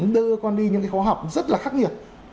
đưa con đi những cái khóa học rất là khắc nghiệt